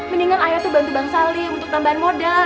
mendingan ayah tuh bantu bang salim untuk tambahan modal